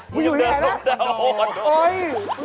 มึงอยู่นี้ไงแล้ว